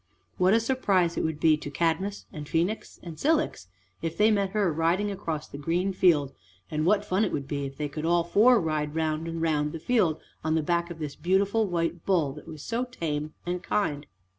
What a surprise it would be to Cadmus, and Phoenix, and Cilix if they met her riding across the green field, and what fun it would be if they could all four ride round and round the field on the back of this beautiful white bull that was so tame and kind!